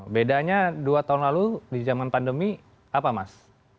bedanya dua tahun lalu di zaman pandemi apa mas